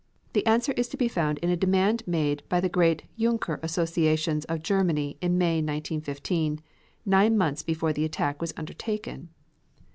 The answer is to be found in a demand made by the great Junker associations of Germany in May, 1915, nine months before the attack was undertaken.